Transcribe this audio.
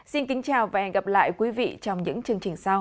xin kính chào và hẹn gặp lại quý vị trong những chương trình sau